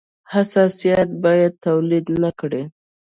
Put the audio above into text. حساسیت باید تولید نه کړي.